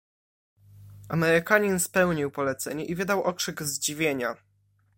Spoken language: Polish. "Amerykanin spełnił polecenie i wydał okrzyk zdziwienia."